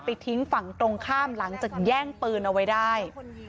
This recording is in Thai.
ทิ้งฝั่งตรงข้ามหลังจากแย่งปืนเอาไว้ได้